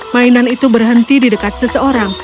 mainan itu berhenti di dekat seseorang